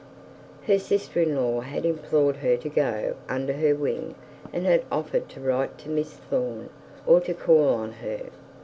Her sister in law had implored her to go under her wing, and had offered to write to Miss Thorne, or to call on her.